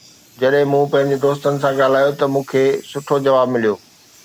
جڏهن مون پنهنجي دوستن سان ڳالهايو ته مون کي سٺو جواب مليو